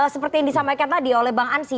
seperti yang disampaikan tadi oleh bang ansi